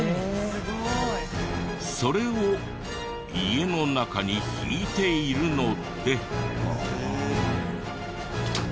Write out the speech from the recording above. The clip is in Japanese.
すごい。それを家の中に引いているので。